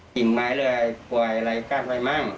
กิ่งไม้เลยป่วยอะไรกั้นไว้มั่ง